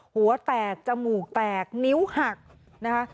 หัวแตกจมูกแตกนิ้วหักนะคะ